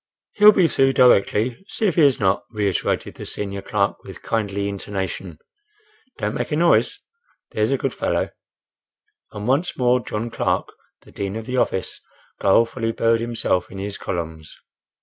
"He'll be through directly, see if he is not," reiterated the senior clerk with kindly intonation. "Don't make a noise, there's a good fellow;" and once more John Clark, the dean of the office, guilefully buried himself in his columns.